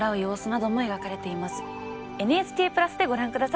「ＮＨＫプラス」でご覧下さい。